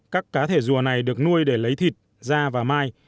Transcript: các cá thể rùa này được nuôi để lấy thịt da và mai